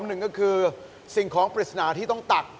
หนึ่งก็คือสิ่งของปริศนาที่ต้องตัก